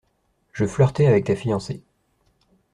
Je flirtais avec ta fiancée.